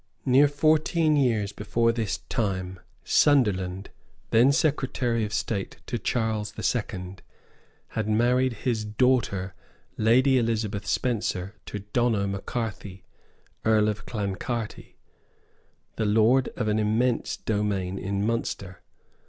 Near fourteen years before this time, Sunderland, then Secretary of State to Charles the Second, had married his daughter Lady Elizabeth Spencer to Donough Macarthy, Earl of Clancarty, the lord of an immense domain in Munster.